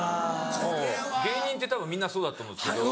芸人ってたぶんみんなそうだと思うんですけど。